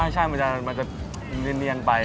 ใช่มันจะเนียนไป